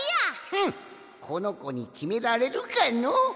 フンこのこにきめられるかのう。